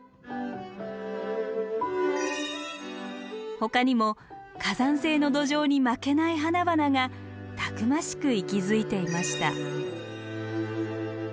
ほかにも火山性の土壌に負けない花々がたくましく息づいていました。